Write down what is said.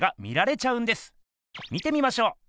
見てみましょう！